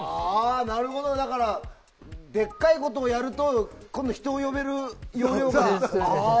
なるほどだから、でっかいことをやると今度は人を呼べる容量が。